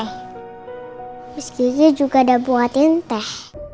terus gizi juga udah buatin teh